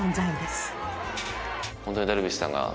本当にダルビッシュさんがね